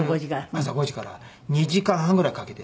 朝５時から２時間半ぐらいかけて。